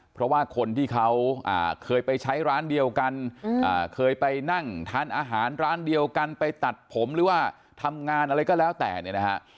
เพราะว่าคนที่เขาเคยไปใช้ร้านเดียวกันเคยไปนั่งทานอาหารร้านเดียวกันไปตัดผมหรือว่าทำงานอะไรก็แล้วแต่เนี่ยนะฮะ